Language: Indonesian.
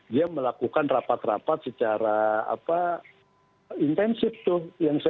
dia melakukan rapat rapat secara intensif tuh